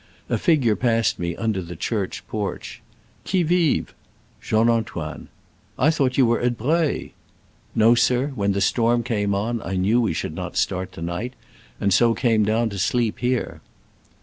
A figure passed me under the church porch. '* Qui vive .?"" Jean Antoine." *' I thought you were at Breuil." No, sir: when the storm came on I knew we should not start to night, and so came down to sleep here."